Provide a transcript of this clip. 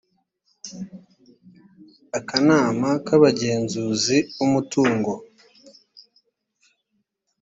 akanama k abagenzuzi b umutungo